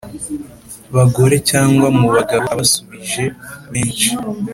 Bagore cyangwa mu bagabo abasubije benshi